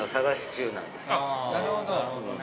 なるほど。